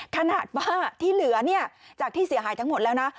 ขนาดว่าที่เหลือเนี่ยจากที่เสียหายทั้งหมดแล้วนะ